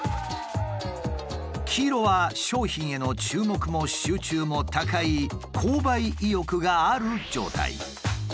黄色は商品への注目も集中も高い購買意欲がある状態。